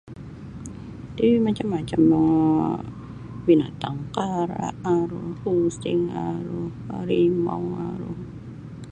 Iti macam-macam um binatang kara' aru using aru harimau aru.